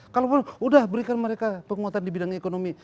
kalau udah berikan mereka penguatan di bidang ekonomi